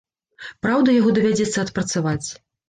Праўда, яго давядзецца адпрацаваць.